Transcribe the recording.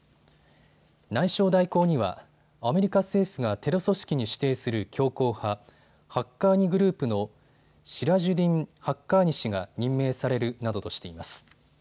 内相代行にはアメリカ政府がテロ組織に指定する強硬派、ハッカーニ・グループのシラジュディン・ハッカーニ氏が任命されるなどとしています。